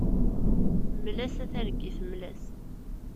Mmel-as a targit, mmel-as.